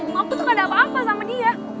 aku tuh gak ada apa apa sama dia